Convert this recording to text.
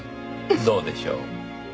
どうでしょう？